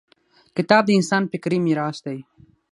• کتاب د انسان فکري میراث دی.